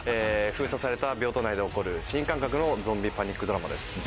封鎖された病棟内で起こる新感覚のゾンビパニックドラマです。